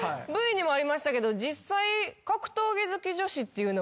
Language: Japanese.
Ｖにもありましたけど実際。